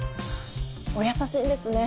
お優しいんですね。